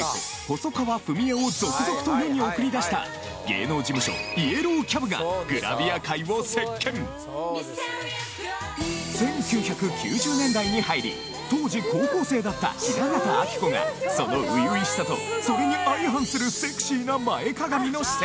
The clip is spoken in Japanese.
細川ふみえを続々と世に送り出した芸能事務所イエローキャブがグラビア界を席巻１９９０年代に入り当時高校生だった雛形あきこがその初々しさとそれに相反するセクシーな前かがみの姿勢